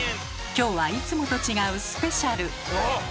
今日はいつもと違うスペシャル！